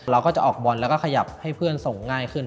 เราก็จะออกบอลแล้วก็ขยับให้เพื่อนส่งง่ายขึ้น